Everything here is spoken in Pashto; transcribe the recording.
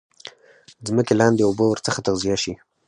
ځمکې لاندي اوبه ورڅخه تغذیه شي.